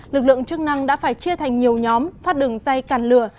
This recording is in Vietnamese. lực lượng chức năng đã phải chia thành nhiều nhóm phát đường dây càn lửa